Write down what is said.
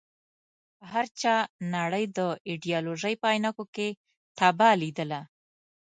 هر چا نړۍ د ایډیالوژۍ په عينکو کې تباه ليدله.